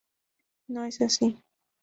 No es así.